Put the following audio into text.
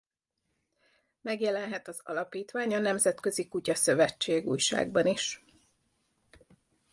Megjelenhet az alapítvány a Nemzetközi Kutya Szövetség újságban is.